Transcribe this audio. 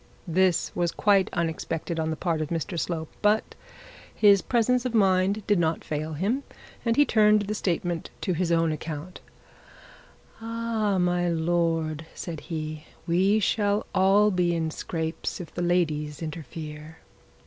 This was quite unexpected on the part of Mr Slope, but his presence of mind did not fail him, and he turned the statement to his own account. 'Ah, my lord,' said he, 'we shall all be in scrapes if the ladies interfere.'